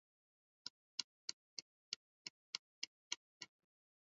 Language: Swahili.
na waandishi wa habari walioko misri wanazidi kukumbwa na wakati mgumu kwa kuwekwa kizuizini